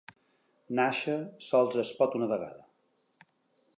Nàixer sols es pot una vegada.